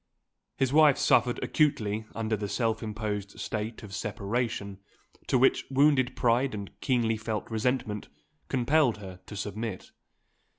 His wife suffered acutely under the self imposed state of separation, to which wounded pride and keenly felt resentment compelled her to submit.